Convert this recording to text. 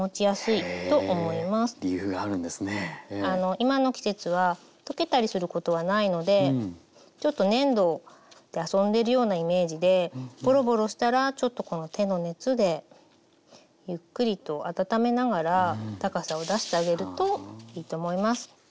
今の季節は溶けたりすることはないのでちょっと粘土で遊んでいるようなイメージでボロボロしたらちょっとこの手の熱でゆっくりと温めながら高さを出してあげるといいと思います。